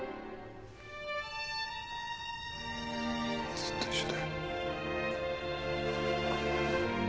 ずっと一緒だよ。